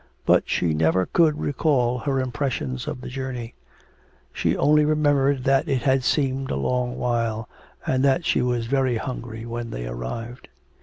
But she never could recall her impressions of the journey she only remembered that it had seemed a long while, and that she was very hungry when they arrived.